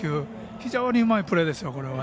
非常にうまいプレーですよ